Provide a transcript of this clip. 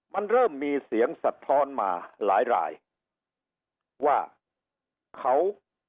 มันเริ่มมีเสียงสะท้อนมาหลายรายว่าเขา